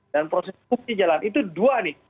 dan proses pukul di jalan itu dua nih